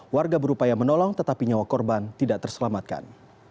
warga berupaya menolong tetapi nyawa korban tidak terselamatkan